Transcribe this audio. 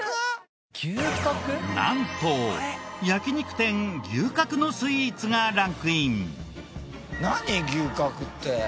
なんと焼肉店牛角のスイーツがランクイン。